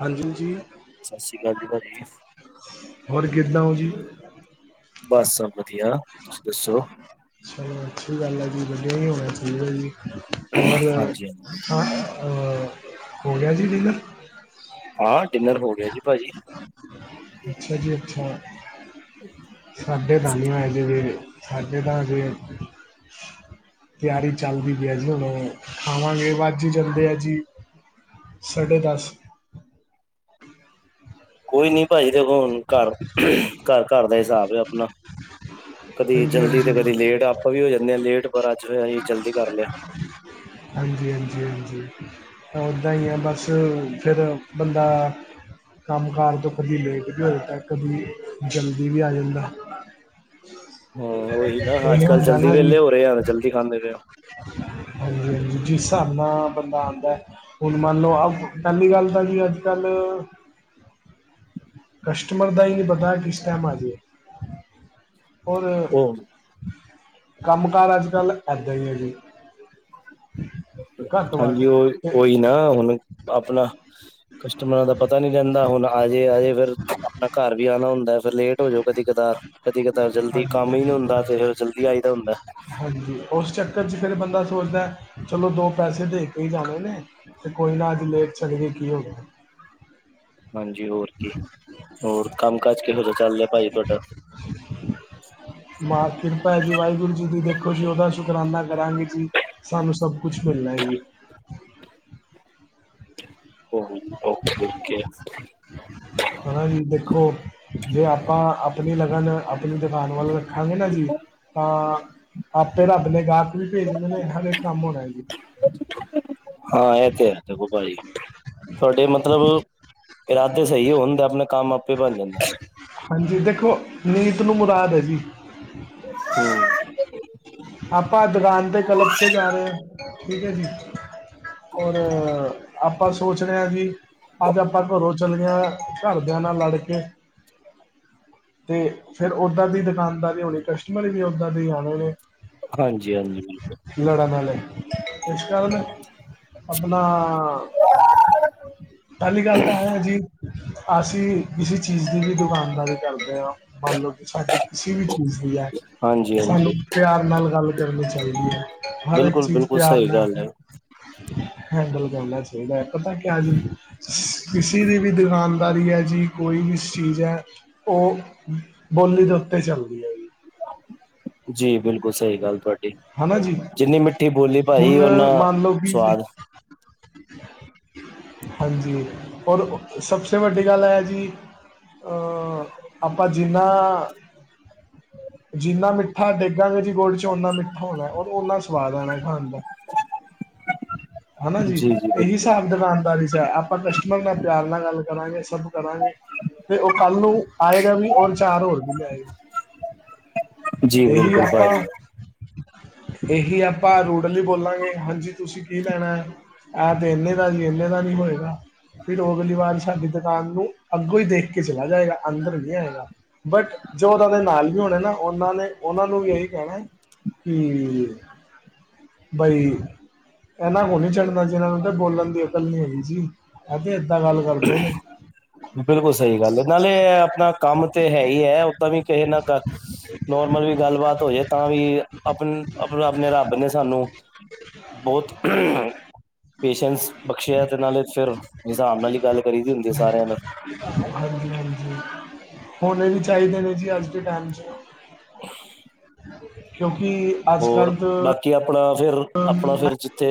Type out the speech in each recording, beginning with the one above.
ਹਾਂਜੀ ਜੀ ਸਤਿ ਸ਼੍ਰੀ ਅਕਾਲ ਜੀ ਪਾਂਜੀ। ਹੋਰ ਕਿਦਾ ਹੋ ਜੀ? ਬਸ ਸਭ ਵਧੀਆ ਤੁਸੀਂ ਦੱਸੋ। ਚਲੋ ਅੱਛੀ ਗੱਲ ਹੈ ਜੀ ਵਡਿਆ ਹੀ ਹੋਣਾ ਚਾਹੀਦਾ ਜੀ ਹੋਰ ਹਾਂਜੀ ਹਾਂਜੀ ਹਾਂ ਹੋਲਿਆ ਜੀ ਡੀਲਰ ਹਾਂ ਡਿਨਰ ਹੋ ਗਿਆ ਜੀ ਭਾਜੀ ਅੱਛਾ ਜੀ ਅੱਛਾ ਸਾਡੇ ਡੰਦ ਹੋਏ ਜਿਵੇ ਖਾਡੇ ਦਾ ਵੀ [unintelligible] ਤਿਆਰੀ ਚੱਲਦੀ ਪਈ ਹੈ ਜੀ ਹੁਣ ਖਾਵਾਂਗੇ ਵੱਜੀ ਜਾਂਦੇ ਆ ਜੀ ਸਾਡੇ ਦਸ ਕੋਈ ਨੀ ਭਾਜੀ ਦੇਖੋ ਹੁਣ ਘਰ ਘਰ ਘਰ ਦਾ ਹਿਸਾਬ ਹੈ ਆਪਣਾ ਕਦੀ ਹਾਂਜੀ ਜਲਦੀ ਤੇ ਹਾਂਜੀ ਕਦੀ ਲੇਟ ਆਪਾਂ ਵੀ ਹੋ ਜਾਂਦੇ ਹਾਂ ਲੇਟ ਪਰ ਅੱਜ ਹੋਇ ਅਸੀਂ ਜਲਦੀ ਕਰ ਲਿਆ ਹਾਂਜੀ -ਹਾਂਜੀ -ਹਾਂਜੀ ਓਦਾਂ ਹੀ ਆ ਬਸ ਫਿਰ ਬੰਦਾ ਕੰਮ ਕਾਰ ਤੋਂ ਕਦੀ ਲੇਟ ਵੀ ਹੋ ਜਾਂਦਾ ਕਦੀ ਜਲਦੀ ਵੀ ਆ ਜਾਂਦਾ ਹਮ ਹਾਂ ਉਹੀ ਨਾ ਅੱਜ ਕੱਲ੍ਹ ਜਲਦੀ ਵਿਹਲੇ ਹੋ ਰਹੇ ਆ ਤੇ ਜਲਦੀ ਖਾਂਦੇ ਪਏ ਜਿਸ ਹਿਸਾਬ ਨਾਲ ਬੰਦਾ ਆਉਂਦਾ। ਹੁਣ ਮੰਨ ਲਓ ਅ ਪਹਿਲੀ ਗੱਲ ਤਾਂ ਜੀ ਅੱਜ ਕੱਲ ਕਸਟਮਰ ਦਾ ਇ ਨਹੀਂ ਪਤਾ ਕਿਸ ਟਾਈਮ ਆਜੇ ਹੋਰ ਉਹ ਕੰਮ ਕਾਰ ਅੱਜ ਕੱਲ ਏਦਾਂ ਹੀ ਹੈ ਜੀ ਹ ਹਾਂਜੀ ਉਹ ਉਹੀ ਨਾ ਹੁਣ ਆਪਣਾ ਕਸਟਮਰਾਂ ਦਾ ਪਤਾ ਨਹੀਂੀ ਰਹਿੰਦਾ ਹੁਣ ਆਜੇ ਆਜੇ ਫਿਰ ਆਪਣਾ ਘਰ ਵੀ ਆਉਣਾ ਹੁੰਦਾ ਫਿਰ ਲੇਟ ਹੋ ਜਾਓ ਕਦੇ ਕਦਾਰ ਕਦੀ ਕਤਾ ਜਲਦੀ ਹਾਂਜੀ ਕੰਮ ਹੀ ਨਹੀਂ ਹੁੰਦਾ ਤੇ ਹਾਂਜੀ ਫਿਰ ਜਲਦੀ ਆਈ ਦਾ ਹੁੰਦਾ ਹਾਂਜੀ ਉਸ ਚੱਕਰ 'ਚ ਫਿਰ ਬੰਦਾ ਸੋਚਦਾ ਚਲੋ ਦੋ ਪੈਸੇ ਦੇ ਕੇ ਹੀ ਜਾਣੇ ਨੇ ਅਤੇ ਕੋਈ ਨਾ ਅੱਜ ਲੇਟ ਚਲੇ ਗਏ ਕੀ ਹੋ ਗਿਆ ਹਾਂਜੀ ਹੋਰ ਕੀ ਹੋਰ ਕੰਮ ਕਾਜ ਕਿਹੋ ਜਿਹਾ ਚੱਲ ਰਿਹਾ ਭਾਾਈ ਤੁਹਾਡਾ ਮਾ ਕਿਰਪਾ ਹੈ ਜੀ ਵਾਹਿਗੁਰੂ ਜੀ ਦੀ ਦੇਖੋ ਜੀ ਉਹਦਾ ਸ਼ੁਕਰਾਨਾ ਕਰਾਂਗੇ ਜੀ ਸਾਨੂੰ ਸਭ ਕੁਛ ਮਿਲਣਾ ਹੈ ਹ ਓਕੇ -ਓਕੇ ਹਨਾ ਜੀ ਦੇਖੋ ਜੇ ਆਪਾਂ ਆਪਣੀ ਲਗਨ ਆਪਣੀ ਦੁਕਾਨ ਵੱਲ ਰੱਖਾਂਗੇ ਨਾ ਜੀ ਤਾਂ ਆਪੇ ਰੱਬ ਨੇ ਗਾਹਕ ਵੀ ਭੇਜ ਦਿਨੇ ਹਰ ਇਕ ਕੰਮ ਹੋ ਜਾਣਾ ਹੈ ਜੀ ਹਾਂ ਇਹ ਤੇ ਹੈ ਦੇਖੋ ਪਾਜੀ ਤੁਹਾਡੇ ਮਤਲਬ ਇਰਾਦੇ ਸਹੀ ਹੋਣ ਤੇ ਆਪਣੇ ਕੰਮ ਆਪੇ ਬਣ ਜਾਂਦੇ ਹਾਂਜੀ ਦੇਖੋ ਨੀਤ ਨੂੰ ਮੁਰਾਦ ਹੈ ਜੀ ਹੂੰ। ਆਪਾਂ ਦੁਕਾਨ ਤੇ ਕੱਲ ਉਥੇ ਜਾ ਰੇ ਠੀਕ ਐ ਜੀ। ਓਰ ਆਪਾਂ। ਸੋਚ ਰਿਆ ਜੀ ਅੱਜ ਆਪਾਂ ਘਰੋਂ ਚਲੇ ਆ ਘਰਦਿਆਂ ਨਾਲ ਲੜਕੇ ਤੇ ਫਿਰ ਉੱਦਾਂ ਦੀ ਦੁਕਾਨਦਾਰ ਹੋਣੀ ਕਸਟਮਰ ਵੀ ਓਦਾਂ ਦੇ ਹੀ ਆਣੇ ਨੇ। ਹਾਂਜੀ-ਹਾਂਜੀ ਲੜਨ ਆਲੇ ਇਸ ਕਾਰਨ ਆਪਣਾ ਪਹਿਲੀ ਗੱਲ ਤਾਂ ਐ ਜੀ ਅਸੀਂ ਕਿਸੇ ਚੀਜ਼ ਦੀ ਵੀ ਦੁਕਾਨਦਾਰੀ ਕਰਦੇ ਆ ਮੰਨ ਲੋ ਕੀ ਸਾਡੇ ਕਿਸੇ ਵੀ ਚੀਜ਼ ਦੀ ਐ। ਹਾਂਜੀ ਸਾਨੂੰ ਹਾਂਜੀ ਪਿਆਰ ਨਾਲ ਗੱਲ ਕਰਨੀ ਚਾਈਦੀ ਐ ਹਰ ਇੱਕ ਬਿਲਕੁਲ ਚੀਜ਼ ਬਿਲਕੁਲ ਪਿਆਰ ਸਹੀ ਗੱਲ ਨਾਲ ਹੈ। ਹੈਂਡਲ ਕਰਨਾ ਚਾਈਦੈ ਪਤਾ ਕਿਆ ਜੀ ਕਿਸੀ ਦੀ ਵੀ ਦੁਕਾਨਦਾਰੀ ਐ ਜੀ ਕੋਈ ਵੀ ਚੀਜ਼ ਐ ਓ ਬੋਲੀ ਦੇ ਉੱਤੇ ਚੱਲਦੀ ਐ। ਜੀ ਬਿਲਕੁਲ ਸਹੀ ਗੱਲ ਤੁਹਾਡੀ ਹਨਾ ਜੀ ਜਿੰਨੀ ਮਿੱਠੀ ਬੋਲੀ ਭਾਈ ਹੁਣ ਓਨਾ ਮੰਨ ਲਓ ਕਿ ਜੀ ਸਵਾਦ। [unintelligible] ਹਾਂਜੀ ਰ ਸਬਸੇ ਵੱਡੀ ਗੱਲ ਹੈ ਜੀ ਆਪਾਂ ਜਿੰਨਾ ਜਿੰਨਾ ਮਿੱਠਾ ਡੇਗਾਗੇ ਜੀ ਗੋਲ ਚ ਓਨਾ ਮਿੱਠਾ ਣਾ ਓਰ ਓਨਾ ਸਵਾਦ ਆਣਾ ਖਾਣ ਦਾ ਹਨਾ ਜੀ ਇਹੀ ਹਿਸਾਬ ਦੁਕਾਨਦਾਰੀ ਚ ਆਪਾਂ ਕਸਟਮਰ ਨਾਲ ਪਿਆਰ ਨਾਲ ਗੱਲ ਕਰਾਂਗੇ ਸਭ ਕਰਾਂਗੇ ਤੇ ਓ ਕੱਲ ਨੂੰ ਆਏਗਾ ਵੀ ਔਰ ਚਾਰ ਹੋਰ ਬੀ ਲਿਆਏਗਾ। ਜੀ ਇਹੀ ਬਿਲਕੁਲ ਆਪਾਂ ਭਾਜੀ ਇਹੀ ਆਪਾਂ ਰੂਡਲੀ ਬੋਲਾਂਗੇ ਹਾਂਜੀ ਤੁਸੀਂ ਕੀ ਲੈਣਾ? ਐ ਤੇ ਇਨੇ ਦਾ ਜੀ ਏਨੇ ਦਾ ਨੀ ਹੋਏਗਾ। ਫਿਰ ਓ ਅਗਲੀਵਾਲ ਸਾਡੀ ਦੁਕਾਨ ਨੂੰ ਅੱਗੋਂ ਈ ਦੇਖ ਕੇ ਚਲਾ ਜਾਏਗਾ ਅੰਦਰ ਨੀ ਆਏਗਾ। ਬਟ ਜੋ ਓਨਾਂ ਦੇ ਨਾਲ ਵੀ ਹੋਣੇ ਨਾ ਓਨਾਂ ਨੇ ਓਨਾਂ ਨੂੰ ਵੀ ਏਹੀ ਕੈਣਾ [unintelligible] ਬਈ ਏਨਾਂ ਕੋਲ ਨੀ ਚੱਲਣਾ ਜੀ ਏਨਾਂ ਨੂੰ ਤਾਂ ਬੋਲਣ ਦੀ ਅਕਲ ਨੀ ਹੈਗੀ ਜੀ। ਐ ਤੇ ਏਦਾਂ ਗੱਲ ਕਰਦੇ ਨੇ। ਬਿਲਕੁੱਲ ਸਈ ਗੱਲ ਐ ਨਾਲੇ ਆਪਣਾ ਕੰਮ ਤੇ ਹੈ ਹੀ ਐ ਓਦਾਂ ਵੀ ਕਿਸੇ ਨਾ ਨੋਰਮਲ ਵੀ ਗੱਲਬਾਤ ਹੋ ਜੇ ਤਾਂ ਵੀ ਆਪਨ ਆਪਣੇ ਰੱਬ ਨੇ ਸਾਨੂੰ ਬੋਤ ਪੇਸ਼ੈਂਸ ਬਖਸ਼ਿਆ ਤੇ ਨਾਲੇ ਫਿਰ ਹਿਸਾਬ ਨਾਲ ਈ ਗੱਲ ਕਰੀ ਦੀ ਹੁੰਦੀ ਆ ਸਾਰਿਆਂ ਨਾਲ। ਹਾਂਜੀ-ਹਾਂਜੀ ਹੋਣੇ ਵੀ ਚਾਈਦੇ ਨੇ ਜੀ ਅੱਜ ਦੇ ਟੈਮ ਚ। ਕਿਉਂਕਿ ਅੱਜ ਕੱਲ੍ਹ ਹੋਰ ਤਾਂ ਬਾਕੀ ਆਪਣਾ ਫਿਰ ਆਪਣਾ ਫਿਰ ਜਿੱਥੇ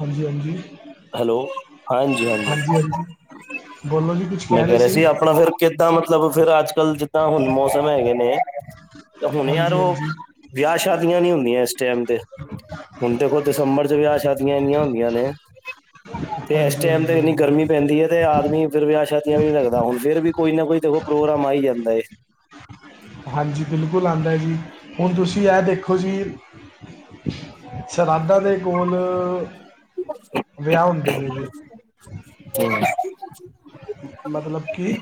ਹਾਂਜੀ-ਹਾਂਜੀ ਹੈਲੋ ਹਾਂਜੀ-ਹਾਂਜੀ ਹਾਂਜੀ। ਬੋਲੋ ਜੀ ਕੁੱਛ? ਮੈਂ ਕੈ ਰਿਆ ਸੀ ਆਪਣਾ ਫਿਰ ਕਿੱਦਾਂ ਮਤਲਬ ਫਿਰ ਅੱਜ ਕੱਲ ਜਿੱਦਾਂ ਹੁਣ ਮੌਸਮ ਹੈਗੇ ਨੇ ਹੁਣੇ ਯਾਰ ਹਾਂਜੀ ਓ ਹਾਂਜੀ ਵਿਆਹ ਸ਼ਾਦੀਆਂ ਨੀ ਹੁੰਦੀਆਂ ਐਸ ਟੈਮ ਤੇ। ਹੁਣ ਦੇਖੋ ਦਸੰਬਰ ਚ ਵਿਆਹ ਸ਼ਾਦੀਆਂ ਇੰਨੀਆਂ ਹੁੰਦੀਆਂ ਨੇ। ਤੇ ਏਸ ਹਾਂਜੀ ਟੈਮ ਤੇ ਹਾਂਜੀ ਇੰਨੀ ਹਾਂਜੀ ਗਰਮੀ ਪੈਂਦੀ ਐ ਤੇ ਆਦਮੀ ਫਿਰ ਵਿਆਹ ਵਧੀਆ ਵੀ ਨੀ ਲੱਗਦਾ ਹੁਣ ਫੇਰ ਵੀ ਕੋਈ ਨਾ ਕੋਈ ਦੇਖੋ ਪ੍ਰੋਗਰਾਮ ਆਈ ਜਾਂਦਾ ਏ। ਹਾਂਜੀ ਬਿਲਕੁੱਲ ਆਂਦਾ ਏ ਜੀ ਹੁਣ ਤੁਸੀਂ ਐ ਦੇਖੋ ਜੀ ਸ਼ਰਾਧਾ ਦੇ ਕੋਲ ਵਿਆਹ ਹੁੰਦੇ ਨੇ ਜੀ। ਹੂੰ। ਮਤਲਬ ਕੀ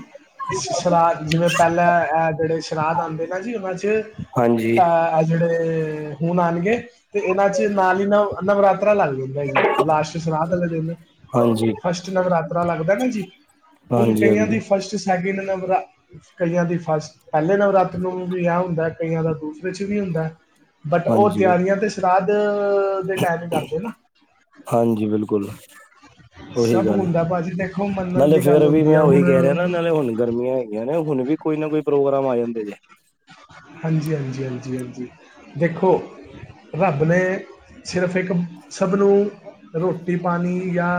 ਸ਼ ਜਿਵੇਂ ਪਹਿਲਾਂ ਜਿਹੜੇ ਸ਼ਰਾਾਧ ਆਉਂਦੇ ਨਾ ਜੀ ਉਹਨਾਂ 'ਚ ਅ ਹਾਂਜੀ ਆ ਜਿਹੜੇ ਹੁਣ ਆਉਣਗੇ ਤੇ ਇਹਨਾਂ ਚ ਨਾਲ ਹੀ ਨਵ ਨਵਰਾਤਰਾ ਲੱਗ ਜਾਂ। ਲਾਸਟ ਸ਼ਰਾਹਲੇ ਦਿਨ ਹਾਂਜੀ ਫਸਟ ਨਵਰਾਤ ਲੱਗਦਾ ਨਾ ਜੀ ਹੁਣ ਹਾਂਜੀ ਕਈਆਂ ਹਾਂਜੀ ਦੀ ਫਸਟ ਸੈਕਿੰਡ ਨੰਬਰਾ ਕਈਆਂ ਦੀ ਫਸਟ ਪਹਿਲੇ ਨਵਰਾਤੇ ਨੂੰ ਵਿਆਹ ਹੁੰਦਾ ਕਈਆਂ ਦਾ ਦੂਸਰੇ 'ਚ ਵੀ ਹੁੰਦਾ ਬਟ ਉਹ ਹਾਂਜੀ ਤਿਆਰੀਆਂ ਤੇ ਸ਼ਰਾਧ ਟਾਇਪ ਕਰਦੇ ਨਾ। ਹਾਂਜੀ ਬਿਲਕੁਲ ਸਭ ਹੁੰਦਾ ਭਾਜੀ ਦੇਖੋ ਮੰਨਣ ਦੀ ਫੇਿਰ ਗੱਲ ਵੀ ਹੁੰਦੀ ਮੈਂ ਆ ਉਹੀ ਕਹਿ ਰਿਹਾ ਨਾ ਹੁਣ ਨਾਲੇ ਹੁਣ ਗਰਮੀਆਂ ਹੈਗੀਆਂ ਨੇ ਹੁਣ ਵੀ ਕੋਈ ਨਾ ਕੋਈ ਪ੍ਰੋਗਰਾਮ ਆ ਜਾਂਦੇ ਜੇ ਹਾਂਜੀ ਹਾਂਜੀ ਦੇਖੋ ਰੱਬ ਨੇ। ਸਿਰਫ ਇੱਕ ਸਭ ਨੂੰ। ਰੋਟੀ ਪਾਣੀ ਜਾਂ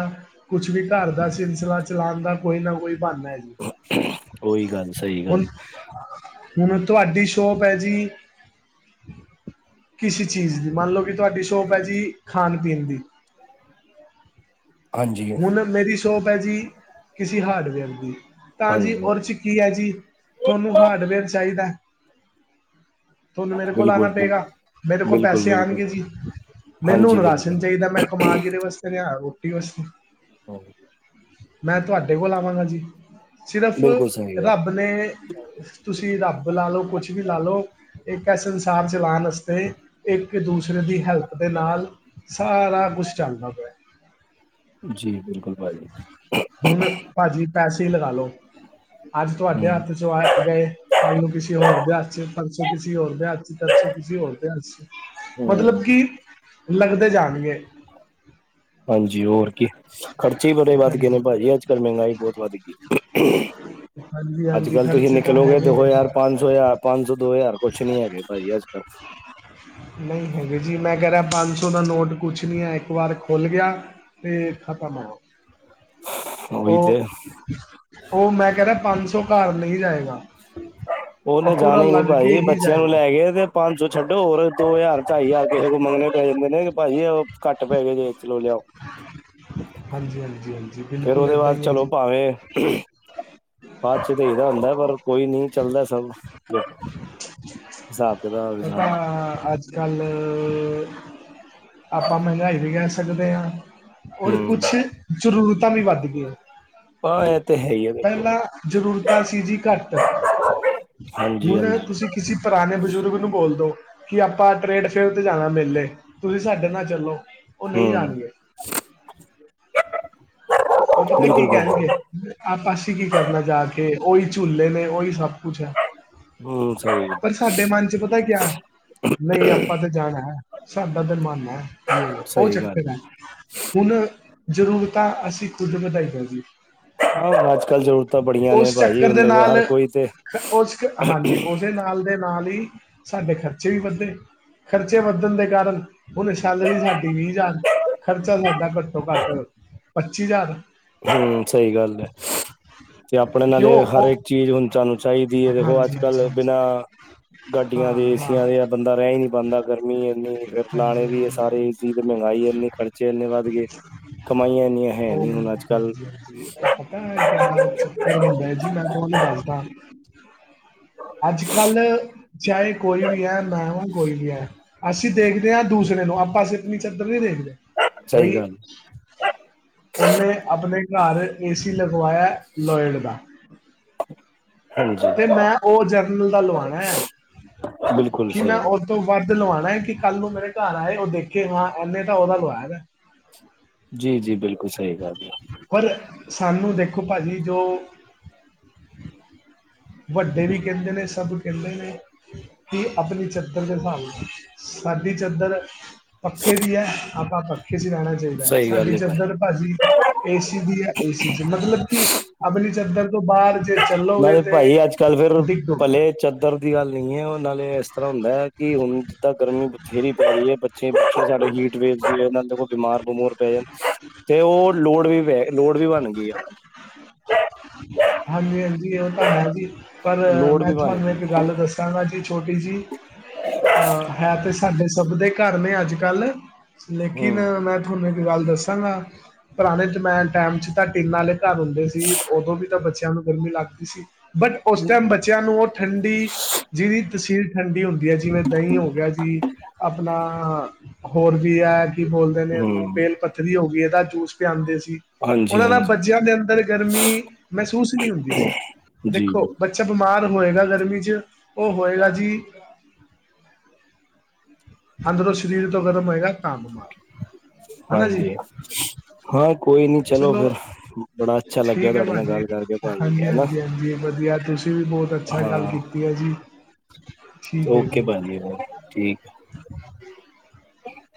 ਕੁਛ ਵੀ ਘਰ ਦਾ ਸਿਲਸਿਲਾ ਚਲਾਉਣ ਦਾ ਕੋਈ ਨਾ ਕੋਈ ਬਹਾਨਾ ਐ। ਓਹੀ ਗੱਲ ਸਹੀ ਗੱਲ। ਹੁਣ ਤੁਹਾਡੀ ਸ਼ੋਪ ਐ ਜੀ। ਕਿਸੀ ਚੀਜ਼ ਦੀ ਮੰਨ ਲੋ ਕਿ ਤੁਹਾਡੀ ਸ਼ੌਪ ਐ ਜੀ ਖਾਣ-ਪੀਣ ਦੀ। ਹਾਂਜੀ ਹੁਣ ਮੇਰੀ ਸ਼ੋਪ ਐ ਜੀ ਕਿਸੀ ਹਾਰਡਵੇਅਰ ਦੀ ਤਾਂ ਜੀ ਹਾਂਜੀ ਓਰ ਚ ਕੀ ਐ ਜੀ ਤੁਹਾਨੂੰ ਹਾਰਡਵੇਅਰ ਚਾਈਦੈ। ਤੁਹਨੂੰ ਮੇਰੇ ਕੋਲ ਆਣਾ ਬਿਲਕੁਲ ਬਿਲਕੁਲ ਪਏਗਾ ਮੇਰੇ ਕੋਲ ਬਿਲਕੁਲ ਪੈਸੇ ਬਿਲਕੁਲ ਆਣਗੇ ਜੀ। ਮੈਨੂੰ ਹਾਂਜੀ ਰਾਸ਼ਨ ਬਿਲਕੁਲ ਚਾਈਦਾ ਮੈਂ ਕਮਾ ਕਿਦੇ ਵਸਤੇ ਰਿਆ ਰੋਟੀ ਵਾਸਤੇ। ਹਾਂ। ਮੈਂ ਤੁਹਾਡੇ ਕੋਲ ਆਵਾਂਗਾ ਜੀ ਸਿਰਫ਼ ਬਿਲਕੁਲ ਸਹੀ ਗੱਲ ਰੱਬ ਨੇ ਤੁਸੀਂ ਰੱਬ ਲਾ ਲਓ ਕੁਛ ਵੀ ਲਾ ਲਓ। ਇੱਕ ਇਸ ਸੰਸਾਰ ਚਲਾਣ ਆਸਤੇ ਇੱਕ ਦੂਸਰੇ ਦੀ ਹੈਲਪ ਦੇ ਨਾਲ ਸਾਰਾ ਕੁਛ ਚਲਦਾ ਪਿਆ। ਜੀ ਬਿਲਕੁਲ ਭਾਜੀ। ਹੁਣ ਭਾਜੀ ਪੈਸੇ ਲਗਾ ਲੋ ਅੱਜ ਤੁਹਾਡੇ ਹਮ ਹੱਥ ਚੋਂ ਆ ਗਏ। ਕੱਲ ਨੂੰ ਕਿਸੀੇ ਹੋਰਦੇ ਹੱਥ ਸ ਪਰਸੋ ਕਿਸੀੇ ਹੋਰਦੇ ਹੱਥ ਚਾਰ ਸੌ ਕਿਸੀੇ ਹੋਰਦੇ ਹੱਥ ਸ ਹਮ ਮਤਲਬ ਕਿ ਲੰਘਦੇ ਜਾਣਗੇ। ਹਾਂਜੀ ਹੋਰ ਖਰਚੇ ਹੀ ਬੜੇ ਵੱਧ ਗਏ ਨੇ ਹਾਂਜੀ ਭਾਜੀ ਅੱਜ ਕੱਲ੍ਹ ਮਹਿੰਗਾਈ ਬਹੁਤ ਵੱਧ ਗਈ। [inaudible] ਹਾਂਜੀ ਅੱਜ ਹਾਂਜੀ ਕੱਲ ਤੁਸੀਂ ਖਰਚੇ ਤਾਂ ਨਿਕਲੋਗੇ ਹੈਗੇ ਨੇ ਦੇਖੋ ਜੀ। ਯਾਰ ਪੰਜ ਸੌ ਹਜ਼ਾਰ ਪੰਜ ਸੌ ਦੋ ਹਜ਼ਾਰ ਕੁੱਛ ਨੀ ਹੈਗੇ ਭਾਜੀ ਅੱਜ ਕੱਲ ਨਹੀਂ ਹੈਗੇ ਜੀ ਮੈਂ ਕਹਿ ਰਿਹਾ ਪੰਜ ਸੌ ਦਾ ਨੋਟ ਕੁਛ ਨਹੀਂ ਹੈ ਇੱਕ ਵਾਰ ਖੁੱਲ੍ਹ ਗਿਆ। ਤੇ ਖਤਮ ਹੋ ਉਹੀ ਉਹ- ਤੇ ਉਹ ਉਹ ਮੈਂ ਕਹਿ ਰਿਹਾ ਪੰਜ ਸੌ ਘਰ ਨਹੀਂ ਜਾਏਗਾ। ਉਹ ਉਹਨੇ ਪੂਰਾ ਜਾਣਾ ਹੀ ਨੀ ਲੱਗ ਕੇ ਭਾਜੀ ਹੀ ਬੱਚਿਆਂ ਨੂੰ ਜਾਏਗਾ ਲੈ ਕੇ ਤੇ ਪੰਜ ਸੌ ਛੱਡੋ ਹੋਰ ਦੋ ਹਜ਼ਾਰ ਢਾਈ ਹਜ਼ਾਰ ਕਿਸੇ ਕੋਲ ਮੰਗਣੇ ਪੈ ਜਾਂਦੇ ਨੇ ਭਾਜੀ ਉਹ ਘੱਟ ਪੈ ਗ ਜੇ ਚਲੋ ਲਿਆਓ। ਹਾਂਜੀ-ਹਾਂਜੀ ਹਾਂ। ਫੇਰ ਉਹਦੇ ਬਾਅਦ ਚਲੋ ਭਾਵੇਂ [inaudible] ਬਾਅਦ 'ਚ ਤੇ ਇਹਦਾ ਹੁੰਦਾ ਪਰ ਕੋਈ ਨੀ ਚੱਲਦਾ ਸਭ ਹਿਸਾਬ ਕਿਤਾਬ [inaudible] ਗੱਲ ਆਪਾਂ ਮਹਿੰਗਾਈ ਵੀ ਕਹਿ ਸਕਦੇ ਹਾਂ। ਔਰ ਹੂੰ ਕੁਛ ਜ਼ਰੂਰਤਾਂ ਵੀ ਵੱਧ ਗਈਆਂ। ਹਾਂ ਇਹ ਤੇ ਹੈ ਹੀ ਹੈ ਪਹਿਲਾਂ ਜ਼ਰੂਰਤਾਂ ਸੀ ਜੀ ਘੱਟ ਹਾਂਜੀ ਹੁਣ -ਹਾਂਜੀ ਤੁਸੀਂ ਕਿਸੇ ਪੁਰਾਣੇ ਬਜ਼ੁਰਗ ਨੂੰ ਬੋਲਦੋ। ਕਿ ਆਪਾਂ ਟ੍ਰਰੇਡ ਫੇਅਰ ਤੇ ਜਾਣਾ ਮੇਲੇ ਤੁਸੀਂ ਸਾਡੇ ਨਾਲ ਚਲੋ ਉਹ ਨਹੀਂ ਹੂੰ ਜਾਣਗੇ। ਉਹ ਪਤਾ ਕੀ ਬਿਲਕੁਲ ਕਹਿਣਗੇ। ਭਾਜੀ ਆਪਸੀਂ ਕੀ ਕਰਨਾ ਜਾ ਕੇ ਉਹੀ ਝੂਲੇ ਨੇ ਉਹੀ ਸਭ ਕੁਛ ਹੈ਼। ਹੂੰ ਸਹੀ ਪਰ ਸਾਡੇ ਮਨ 'ਚ ਪਤਾ ਕਿਹਾ ਨਹੀਂ ਆਪਾਂ ਤਾਂ ਜਾਣਾ ਸਾਡਾ ਤੇ ਮਨ ਐ। ਉਹ ਸਹੀ ਗੱਲ ਚੱਕਰ ਹੈ ਹੁਣ ਜ਼ਰੂਰਤਾਂ ਅਸੀਂ ਖੁਦ ਵਧਾਈਆਂ ਦਈ। ਹਾਂ ਅੱਜ ਕੱਲ ਜ਼ਰੂਰਤਾਂ ਬੜੀਆਂ ਨੇ ਭਾਜੀ ਚੱਕਰ ਦੇ ਬੰਦੇ ਕੋਲ ਨਾਲ ਹਰ ਕੋਈ ਤੇ [inaudible] ਉਸ ਹਾਂਜੀ ਨਾਲ ਦੇ ਨਾਲ ਹੀ ਸਾਡੇ ਖਰਚੇ ਵੀ ਵੱਧੇ ਖਰਚੇ ਵੱਧਣ ਦੇ ਕਾਰਨ ਹੁਣ ਸ਼ੈਲਰੀ ਸ਼ਾਡੀ ਵੀਹ ਹਜ਼ਾਰ, ਖਰਚਾ ਸਾਡਾ ਘੱਟੋ ਘੱਟ ਪੱਚੀ ਹਜ਼ਾਰ। ਹੂੰ ਸਹੀ ਗੱਲ ਐ। ਤੇ ਆਪਣੇ ਨਾਲੇ ਕਿਉਂ ਹਰ ਉਹ ਇੱਕ ਚੀਜ਼ ਹੁਣ ਸਾਨੂੰ ਚਾਹੀਦੀ ਐ, ਦੇਖੋ ਅੱਜ ਹਾਂਜੀ ਹਾਂਜੀ ਕੱਲ ਹਾਂਜੀ ਬਿਨਾਂ ਗਾਡੀਆਂ ਦੇ ਹਾਂ ਏਸੀਆਂ ਹਾਂ ਦੇ ਬੰਦਾ ਰਹਿ ਹੀ ਨੀ ਪਾਉਂਦਾ, ਗਰਮੀ ਇੰਨੀ ਫੇਰ ਹਾਂਜੀ, ਲਾਣੇ ਵੀ ਹਾਂਜੀ। ਸਾਰੇ ਹਾਂਜੀ। ਤੇ ਮਹਿੰਗਾਈ ਇੰਨੀ ਖ਼ਰਚੇ ਇੰਨੇ ਵੱਧ ਗੇ ਕਮਾਈਆਂ ਇੰਨੀਆਂ ਹੈ ਉਹ ਨੀ ਹੁਣ ਅੱਜ ਕੱਲ ਹਾਂਜੀ- ਹਾਂਜੀ ਉਹ ਪਤਾ ਹੈ ਕਿਆ ਚੱਕਰ ਹੁੰਦਾ ਹੈ ਜੀ ਮੈਂ ਤੁਹਾਨੂੰ ਦੱਸਦਾ। ਅੱਜ ਕੱਲ੍ਹ ਚਾਹੇ ਕੋਈ ਵੀ ਐ ਮੈਂ ਹੂ ਕੋਈ ਵੀ ਐ। ਅਸੀਂ ਦੇਖਦੇ ਆ ਦੂਸਰੇ ਨੂੰ ਆਪਾਂ ਅਸੀਂ ਆਪਣੀ ਚਾਦਰ ਨੀ ਦੇਖਦੇ। ਬਈ ਸਹੀ ਗੱਲ ਉਹਨੇ ਆਪਣੇ ਘਰ ਏ ਸੀ ਲਗਵਾਇਆ ਲੋਇਡ ਦਾ ਹਾਂਜੀ ਤੇ ਮੈਂ ਉਹ ਜਰਨਲ ਦਾ ਲਵਾਉਣਾ ਹੈ ਬਿਲਕੁਲ ਕਿ ਸਹੀ ਮੈਂ ਗੱਲ ਤੋਂ ਵੱਧ ਲਵਾਉਣਾ ਕਿ ਕੱਲ੍ਹ ਨੂੰ ਮੇਰੇ ਘਰ ਆਏ ਉਹ ਦੇਖੇ ਹਾਂ ਇਹਨੇ ਤਾਂ ਉਹਦਾ ਲਵਾਇਆ ਦਾ ਜੀ -ਜੀ ਬਿਲਕੁਲ ਸਹੀ ਗੱਲ ਏ। ਪਰ ਸਾਨੂੰ ਦੇਖੋ ਭਾਜੀ ਜੋ ਵੱਡੇ ਵੀ ਕਹਿੰਦੇ ਨੇ ਸਭ ਕਹਿੰਦੇ ਨੇ। ਕੀ ਆਪਣੀ ਚਾਦਰ ਦੇ ਹਿਸਾਬ ਨਾਲ ਸਾਡੀ ਚਾਦਰ ਪੱਖੇ ਦੀ ਹੈ ਆਪਾਂ ਪੱਖੇ ਚ ਹੀ ਰਹਿਣਾ ਚਾਹੀਦਾ ਐ, ਸਹੀ ਸਾਡੀ ਗੱਲ ਹੈ ਭਾਈ ਚਦਰ ਭਾਜੀ ਏਸੀ ਦੀ ਐ, ਏਸੀ ਚ ਮਤਲਬ ਕਿ ਅਮਲੀ ਚਾਦਰ ਤੋਂ ਬਾਹਰ ਜੇ ਚੱਲੋਂ ਗੇ ਤੇ ਕੱਲ੍ਹ ਫਿਰ ਡਿੱਗੋਗੇ ਭਲੇ ਚਦਰ ਦੀ ਗੱਲ ਨਹੀਂ ਐ, ਉਹ ਨਾਲੇ ਇਸ ਤਰ੍ਹਾਂ ਹੁੰਦਾ ਹੈ ਕਿ ਹੁਣ ਜਿੱਦਾਂ ਗਰਮੀ ਬਥੇਰੀ ਪੈ ਰਹੀ ਐ, ਬ [unintelligible] ਪਿਛੇ ਸਾਡੇ ਜੀਟਵੇਵ ਦੇ ਕੋਲ ਬਿਮਾਰ ਬਮੂਰ ਪੈ ਜਾਣ ਤੇ ਉਹ ਲੋੜ ਵੀ ਵੇ, ਲੋੜ ਵੀ ਬਣ ਗਈ ਆ। ਹਾਂਜੀ ਹਾਂਜੀ ਉਹ ਤਾਂ ਹੈ ਜੀ, ਪਰ ਲੋੜ ਮੈਂ ਵੀ ਬਣ ਤੁਹਾਨੂੰ ਗਈ ਇੱਕ ਗੱਲ ਦੱਸ [unintelligible] ਗਾ ਜੀ ਛੋਟੀ ਜੀ, ਹੈ ਤੇ ਸਾਡੇ ਸਭ ਦੇ ਘਰ ਨੇ ਅੱਜ ਕੱਲ੍ਹ ਲੇਕਿਨ ਹਮ ਮੈਂ ਤੁਹਾਨੂੰ ਇੱਕ ਗੱਲ ਦੱਸਾਂਗਾ, ਪੁਰਾਣੇ ਜਮੇਨ ਟਾਈਮ 'ਚ ਤੁਹਾਡੀ ਨਾਲੇ ਘਰ ਹੁੰਦੇ ਸੀ, ਉਦੋਂ ਵੀ ਤਾਂ ਬੱਚਿਆਂ ਨੂੰ ਗਰਮੀ ਲੱਗਦੀ ਸੀ, ਬਟ ਉਸ ਟਾਈਮ ਬੱਚਿਆਂ ਨੂੰ ਉਹ ਠੰਡੀ ਜਿਹਦੀ ਤਸੀਰ ਠੰਡੀ ਹੁੰਦੀ ਹੈ, ਜਿਵੇਂ ਦਹੀਂ ਹੋ ਗਿਆ ਜੀ ਆਪਣਾ ਹੋਰ ਵੀ ਐ। ਕੀ ਬੋਲਦੇ ਨੇ ਇਹਨੂੰ ਹਮ ਬੇਲ ਪੱਥਰੀ ਹੋ ਗਈ, ਇਹਦਾ ਜੂਸ ਪੀਆਂਦੇ ਸੀ। ਹਾਂਜੀ ਉਹਨਾ ਨਾਲ ਹਾਂਜੀ ਬੱਚਿਆਂ ਦੇ ਅੰਦਰ ਗਰਮੀ ਮਹਿਸੂਸ ਨਹੀਂ ਹੁੰਦੀ ਸੀ। ਜੀ ਦੇਖੋ, ਬਿਲਕੁਲ, ਬੱਚਾ ਬਿਮਾਰ ਹੋਏਗਾ ਗਰਮੀ 'ਚ ਉਹ ਹੋਏਗਾ ਜੀ ਅੰਦਰੋਂ ਸਰੀਰ ਤੋਂ ਗਰਮ ਹੋਏਗਾ ਤਾਂ ਹਾਂਜੀ। ਹਾਂ, ਕੋਈ ਨੀ ਚਲੋ ਫੇਰ ਬੜਾ ਅੱਛਾ ਲੱਗਿਆਂ, ਠੀਕ ਹੈ ਤੁਹਾਡੇ ਨਾਲ ਭਾਜੀ ਗੱਲ ਕਰਕੇ ਭਾਜੀ ਹਾਂਜੀ ਹਨਾ। ਹਾਂਜੀ ਹਾਂਜੀ ਵਧੀਆ ਤੁਸੀਂ ਵੀ ਬਹੁਤ ਅੱਛਾ ਗੱਲ ਹਾਂ ਕੀਤੀ ਐ ਜੀ। ਠੀਕ ਹੈ ਓਕੇ, ਜੀ ਬਾਜੀ ਠੀਕ [inaudible] [inaudible]